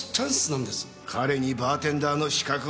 彼にバーテンダーの資格はない。